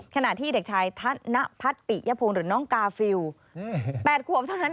ขณะที่เด็กชายธนพัฒนปิยพงศ์หรือน้องกาฟิล๘ขวบเท่านั้น